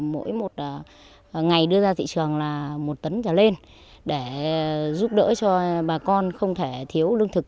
mỗi một ngày đưa ra thị trường là một tấn trở lên để giúp đỡ cho bà con không thể thiếu lương thực